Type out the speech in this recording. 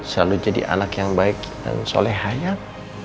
selalu jadi anak yang baik dan soleh hayat